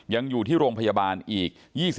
ยังอยู่ที่โรงพยาบาลอีก